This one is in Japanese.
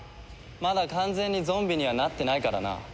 まだ完全にゾンビにはなってないからな。